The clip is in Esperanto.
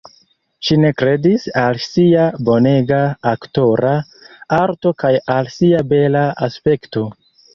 Ŝi ne kredis al sia bonega aktora arto kaj al sia bela aspekto.